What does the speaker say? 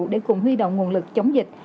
để cùng huy động nguồn lực chống dịch